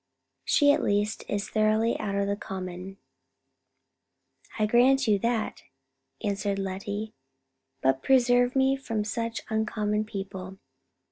She at least is thoroughly out of the common." "I grant you that," answered Lettie; "but preserve me from such uncommon people.